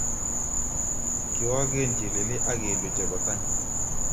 Kiwakeen chelelei ak kelu chebo tany